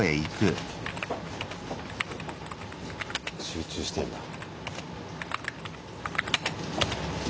集中してんだ。